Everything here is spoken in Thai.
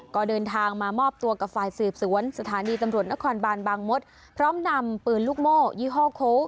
ก็เดินทางมามอบตัวกับฝ่ายสืบสวนสถานีตำรวจนครบานบางมศพร้อมนำปืนลูกโม่ยี่ห้อโค้